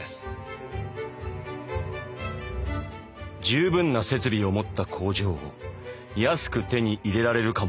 「十分な設備を持った工場を安く手に入れられるかもしれない。